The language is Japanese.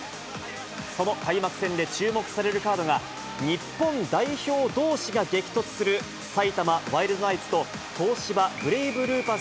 その開幕戦で注目されるカードが、日本代表どうしが激突する埼玉ワイルドナイツと東芝ブレイブルーパス